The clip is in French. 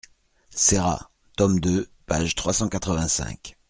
Serra, tome II, page trois cent quatre-vingt-cinq.